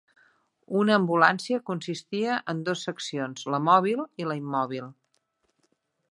Una ambulància consistia en dos seccions, la mòbil i la immòbil.